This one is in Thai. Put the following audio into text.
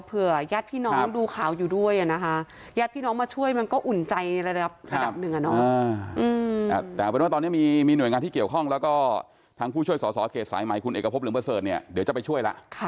เพื่อยาดพี่น้องดูข่าวอยู่ด้วย